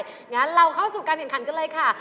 อย่างนั้นเราเข้าสู่การเห็นคันกันเลยค่ะ